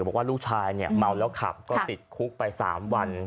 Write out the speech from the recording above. บอกว่าลูกชายเนี่ยเมาแล้วขับก็ติดคุกไป๓วัน